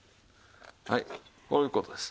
はいこういう事です。